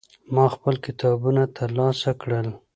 ما خپل کتابونه ترلاسه کړل.